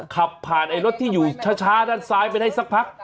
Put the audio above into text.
ขับผ่านไอ้รถที่อยู่ช้าด้านซ้ายไปได้สักพัก